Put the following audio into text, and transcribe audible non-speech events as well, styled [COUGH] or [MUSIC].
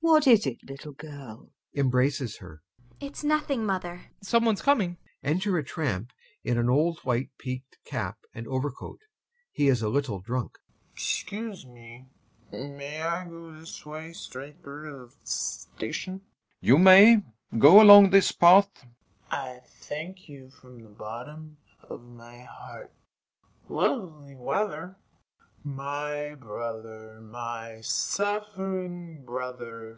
What is it, little girl? [Embraces her.] ANYA. It's nothing, mother. TROFIMOV. Some one's coming. [Enter a TRAMP in an old white peaked cap and overcoat. He is a little drunk.] TRAMP. Excuse me, may I go this way straight through to the station? GAEV. You may. Go along this path. TRAMP. I thank you from the bottom of my heart. [HICCUPS] Lovely weather.... [Declaims] My brother, my suffering brother....